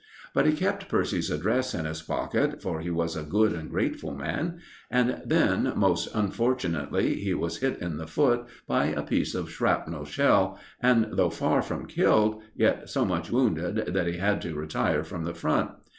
But he kept Percy's address in his pocket, for he was a good and grateful man; and then, most unfortunately, he was hit in the foot by a piece of shrapnel shell, and though far from killed, yet so much wounded that he had to retire from the Front.